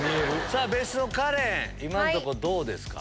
さぁ別室のカレン今のとこどうですか？